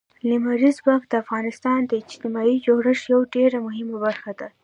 لمریز ځواک د افغانستان د اجتماعي جوړښت یوه ډېره مهمه برخه ده.